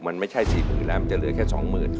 มันไม่ใช่๔๐๐๐แล้วมันจะเหลือแค่๒๐๐๐บาท